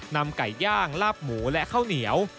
นำไก่ย่างลาบหมูและข้าวเหนียว